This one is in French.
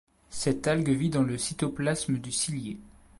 Cette algue vit dans le cytoplasme du cilié.